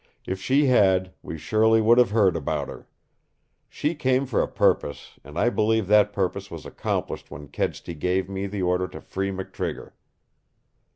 If she had, we surely would have heard about her. She came for a purpose, and I believe that purpose was accomplished when Kedsty gave me the order to free McTrigger."